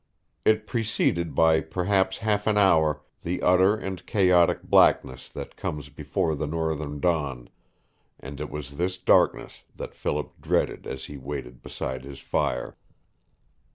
It preceded by perhaps half an hour the utter and chaotic blackness that comes before the northern dawn, and it was this darkness that Philip dreaded as he waited beside his fire.